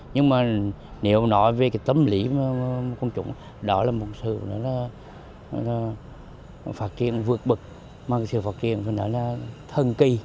nhưng mà nếu nói về tâm lý của một công trụng đó là một sự phát triển vượt bực một sự phát triển thân kỳ